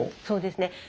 そうですね。